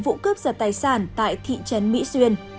vụ cướp giật tài sản tại thị trấn mỹ xuyên